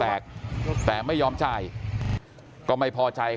แต่ว่าวินนิสัยดุเสียงดังอะไรเป็นเรื่องปกติอยู่แล้วครับ